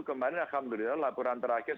kemarin alhamdulillah laporan terakhir